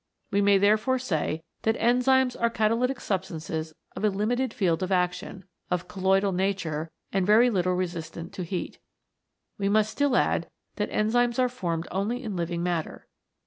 We may therefore say that enzymes are catalytic substances of a limited field of action, of colloidal nature, and very little resistent to heat. We must still add that enzymes are formed only in living matter.